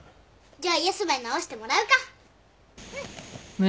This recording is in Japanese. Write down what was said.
じゃあヤスばに直してもらうか。